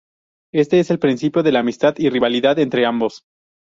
Éste es el principio de la amistad y rivalidad entre ambos.